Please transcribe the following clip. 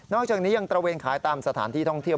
นอกจากนี้ตะเวนอย่างตะเวนขายตามสถานที่ท่องเที่ยว